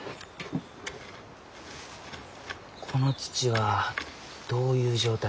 この土はどういう状態か。